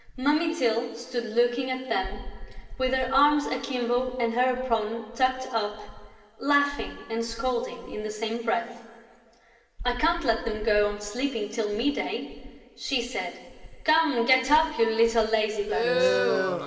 Mummy Tyl stood looking at them, with her arms akimbo and her apron tucked up, laughing and scolding in the same breath: "I can't let them go on sleeping till mid day," she said. "Come, get up, you little lazybones!"